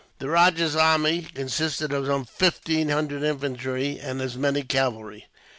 The rajah's army consisted of some fifteen hundred infantry, and as many cavalry.